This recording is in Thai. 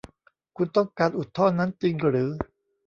คุณต้องการอุดท่อนั้นจริงหรือ